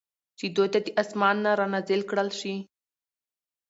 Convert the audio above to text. چې دوی ته د آسمان نه را نازل کړل شي